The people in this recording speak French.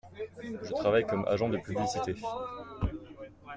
Je travaille comme agent de publicité.